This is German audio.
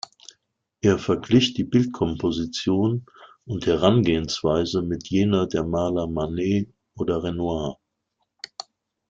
Er verglich die Bildkomposition und Herangehensweise mit jener der Maler Manet oder Renoir.